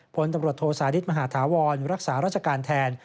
ผลตำรวจโทษศาดิษฐ์มหาธาวรรักษารัชการแทน